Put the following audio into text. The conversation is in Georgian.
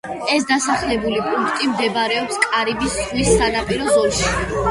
ეს დასახლებული პუნქტი მდებარეობს კარიბის ზღვის სანაპირო ზოლში.